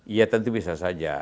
iya tentu bisa saja